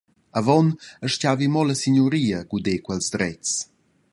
Avon astgavi mo la signuria guder quels dretgs.